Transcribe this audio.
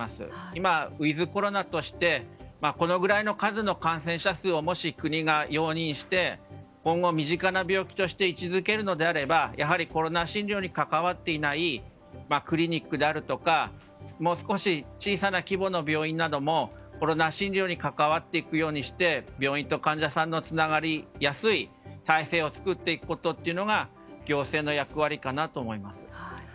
今はウィズコロナとしてこれぐらいの数の感染者数をもし国が容認して今後、身近な病気として位置づけるのであればコロナ診療に関わっていないクリニックであるとかもう少し小さな規模の病院などもコロナ診療に関わるようにして病院と患者さんがつながりやすい体制を作っていくことが行政の役割かなと思います。